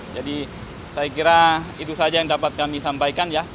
jadi saya kira itu saja yang dapat kami sampaikan ya